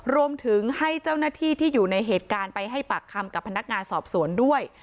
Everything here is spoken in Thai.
รวมถึงให้เจ้าหน้าที่ที่อยู่ในเหตุการณ์ไปให้ปากคำกับพนักงานสอบสวนด้วย